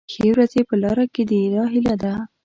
ښې ورځې په لاره کې دي دا هیله ده.